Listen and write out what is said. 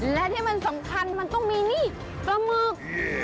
และที่มันสำคัญมันต้องมีนี่ปลาหมึก